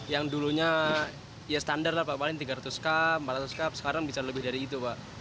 yang dulunya ya standar lah pak paling tiga ratus cup empat ratus cup sekarang bisa lebih dari itu pak